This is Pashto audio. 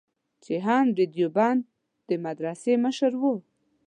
چې هم د دیوبند د مدرسې مشر و.